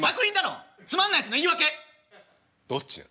どっちよ。